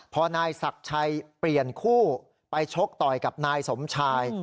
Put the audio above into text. พอนายศักดิ์ชัยเปลี่ยนคู่ไปชกต่อยกับนายสมชาย